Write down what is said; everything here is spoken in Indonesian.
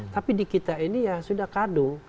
tapi di kita ini ya sudah kado